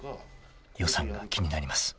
［予算が気になります］